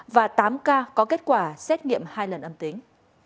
và tám ca có kết quả xét nghiệm hai lần âm tính